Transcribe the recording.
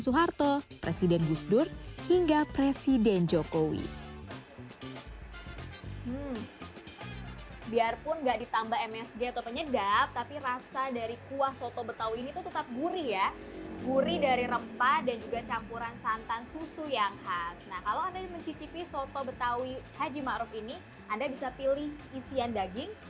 dua duanya sama nikmatnya